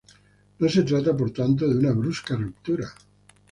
No se trata, por tanto, de una brusca ruptura.